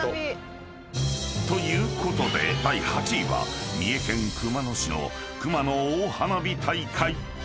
［ということで第８位は三重県熊野市の熊野大花火大会］